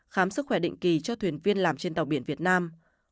khám sức khỏe định kỳ cho thuyền viên làm trên tàu biển việt nam